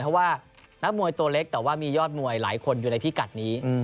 เพราะว่านักมวยตัวเล็กแต่ว่ามียอดมวยหลายคนอยู่ในพิกัดนี้